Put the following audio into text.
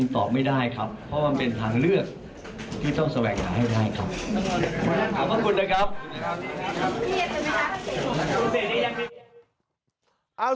ท่านประธานครับ